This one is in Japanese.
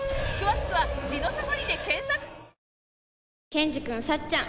ケンジくんさっちゃん